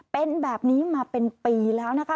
เป็นแบบนี้มาเป็นปีแล้วนะคะ